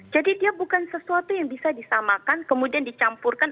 jadi dia bukan sesuatu yang bisa disamakan kemudian dicampurkan